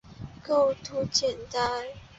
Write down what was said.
构图简单